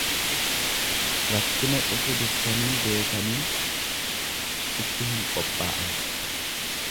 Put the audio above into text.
Rakkina dhufu dursanii beekanii itti hin qophaa'an.